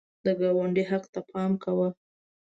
د ګاونډي حق ته پام کوه